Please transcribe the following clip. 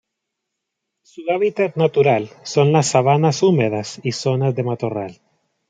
Su hábitat natural son las sabanas húmedas y zonas de matorral.